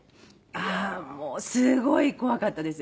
ああもうすごい怖かったです。